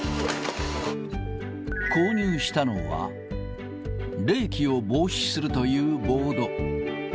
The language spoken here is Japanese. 購入したのは、冷気を防止するというボード。